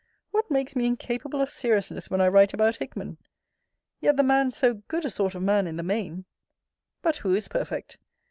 What makes me incapable of seriousness when I write about Hickman? Yet the man so good a sort of man in the main! But who is perfect?